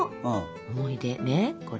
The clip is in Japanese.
思い出ねこれ。